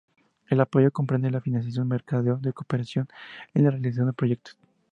El apoyo comprende la financiación, mercadeo y cooperación en la realización de proyectos.